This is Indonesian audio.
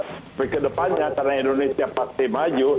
tapi kedepannya karena indonesia pasti maju